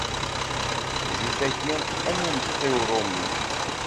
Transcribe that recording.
Zzit-agi, am umeṭṭi uṛumi.